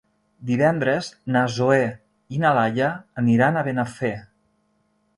Divendres na Zoè i na Laia aniran a Benafer.